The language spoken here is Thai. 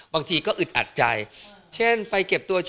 บางทีก็อึดอัดใจ